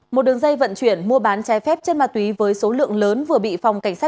một đường dây vận chuyển mua bán trái phép chất ma túy với số lượng lớn vừa bị phòng cảnh sát